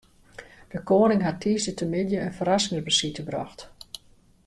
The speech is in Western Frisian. De koaning hat tiisdeitemiddei in ferrassingsbesite brocht.